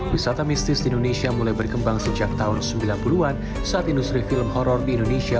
wisata mistis di indonesia mulai berkembang sejak tahun sembilan puluh an saat industri film horror di indonesia